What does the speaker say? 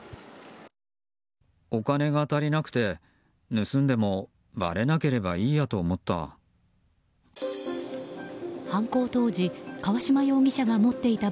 お金が足りなくて盗んでもばれなければいいやと思った。